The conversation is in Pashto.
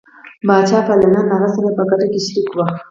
پاچا پلویان له هغه سره په ګټه کې شریک وو.